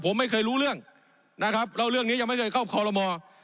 ผมไม่เคยรู้เรื่องนะครับแล้วเรื่องนี้ยังไม่เคยเข้าคอลโลมอร์